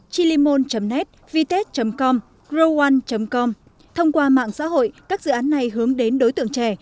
chilimon net viett com grouan com thông qua mạng xã hội các dự án này hướng đến đối tượng trẻ